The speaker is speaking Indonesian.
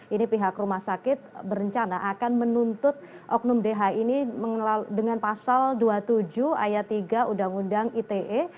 ini pihak rumah sakit berencana akan menuntut oknum dh ini dengan pasal dua puluh tujuh ayat tiga undang undang ite